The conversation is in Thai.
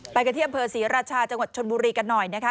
ไปกันที่อำเภอศรีราชาจังหวัดชนบุรีกันหน่อยนะคะ